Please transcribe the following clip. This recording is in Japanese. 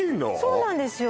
そうなんですよ